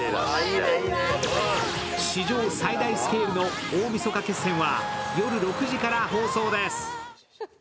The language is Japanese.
史上最大スケールの大みそか決戦は夜６時から放送です。